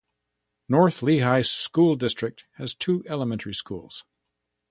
Northern Lehigh School District has two elementary schools.